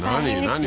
何？